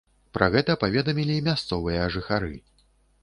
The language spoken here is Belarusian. Пра гэта паведамілі мясцовыя жыхары.